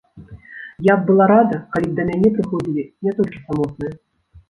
Я б была рада, калі б да мяне прыходзілі не толькі самотныя.